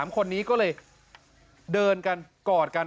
๓คนนี้ก็เลยเดินกันกอดกัน